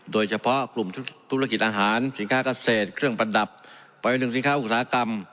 โดยเฉพาะกลุ่มธุรกิจอาหารสินค้าเกษตรเครื่องประดับไปหนึ่งสินค้าอุตสาหกรรม